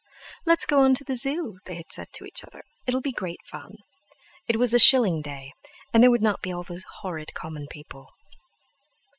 "Let's go on to the Zoo," they had said to each other; "it'll be great fun!" It was a shilling day; and there would not be all those horrid common people.